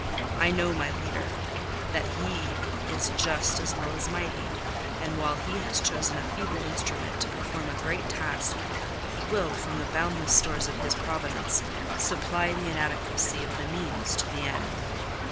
I know my Leader: that He is just as well as mighty; and while He has chosen a feeble instrument to perform a great task, He will, from the boundless stores of His providence, supply the inadequacy of the means to the end.